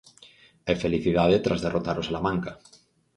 E felicidade tras derrotar o Salamanca.